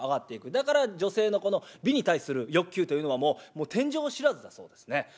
だから女性の美に対する欲求というのはもう天井知らずだそうですね。